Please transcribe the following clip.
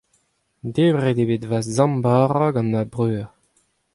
debret eo bet ma zamm bara gant ma breur.